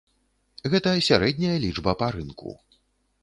Гэта сярэдняя лічба па рынку.